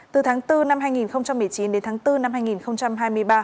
từ tháng bốn năm hai nghìn một mươi chín đến tháng bốn năm hai nghìn hai mươi ba